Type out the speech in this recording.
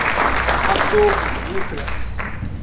Astolfo Dutra